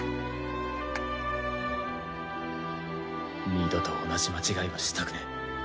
二度と同じ間違いはしたくねえ。